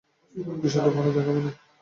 বিষয়টা ভালো দেখাবে না।